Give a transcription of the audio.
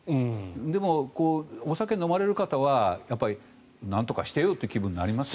でも、お酒を飲まれる方はなんとかしてよという気分になりますよね。